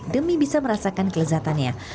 demi bisa merasakan kelezatannya